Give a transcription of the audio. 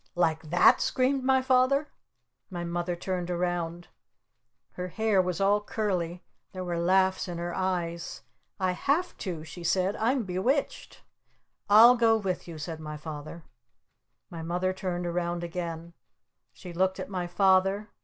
"Like that?" screamed my Father. My Mother turned around. Her hair was all curly. There were laughs in her eyes. "I have to!" she said. "I'm bewitched!" "I'll go with you!" said my Father. My Mother turned around again. She looked at my Father!